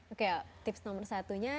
oke tips nomor satunya